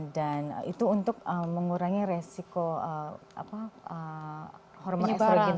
dan itu untuk mengurangi resiko hormon estrogen